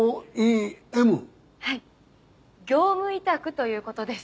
はい業務委託ということです。